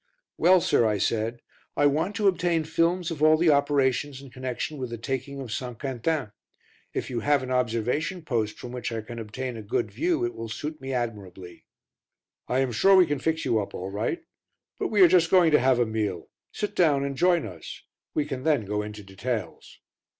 "Well, sir," I said, "I want to obtain films of all the operations in connection with the taking of St. Quentin; if you have an observation post from which I can obtain a good view it will suit me admirably." "I am sure we can fix you up all right. But we are just going to have a meal; sit down and join us. We can then go into details."